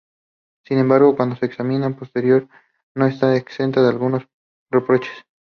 Sin embargo, cuando se examina a posteriori, no está exenta de algunos reproches.